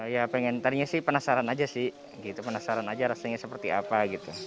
ya pengen tadinya sih penasaran aja sih gitu penasaran aja rasanya seperti apa gitu